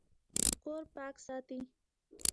کور پاک ساتئ